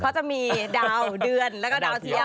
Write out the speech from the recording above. เขาจะมีดาวเดือนแล้วก็ดาวเทียว